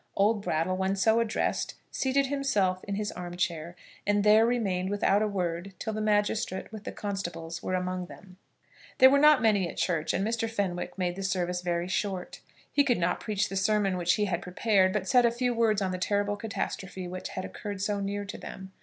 Old Brattle, when so addressed, seated himself in his arm chair, and there remained without a word till the magistrate with the constables were among them. There were not many at church, and Mr. Fenwick made the service very short. He could not preach the sermon which he had prepared, but said a few words on the terrible catastrophe which had occurred so near to them.